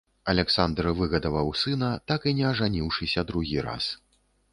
Аляксандр выгадаваў сына, так і не ажаніўшыся другі раз.